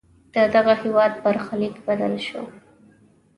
ددغه هېواد برخلیک بدل شو.